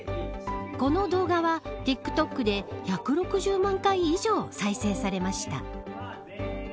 この動画は、ＴｉｋＴｏｋで１６０万回以上再生されました。